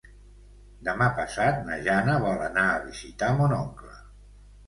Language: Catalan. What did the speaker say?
Demà passat na Jana vol anar a visitar mon oncle.